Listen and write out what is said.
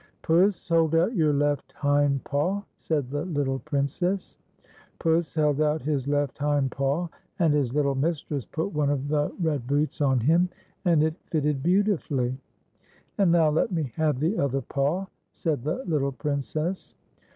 " Puss, hold out } our left hind paw," said the little Princess. Puss held out his left hind paw, and his little mistress put one of the red boots on him, and it fitted beautifully. " And now let me have the other paw." said the little Princess.